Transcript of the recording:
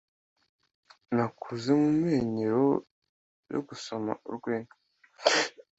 nakuze mumenyero yo gusoma urwenya.